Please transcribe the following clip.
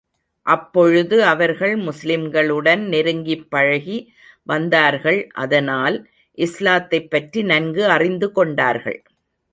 அப்பொழுது அவர்கள் முஸ்லிம்களுடன் நெருங்கிப் பழகி வந்தார்கள் அதனால், இஸ்லாத்தைப் பற்றி நன்கு அறிந்து கொண்டார்கள்.